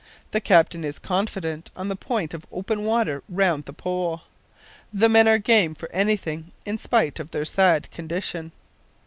The captain is confident on the point of open water round the Pole. The men are game for anything in spite of their sad condition."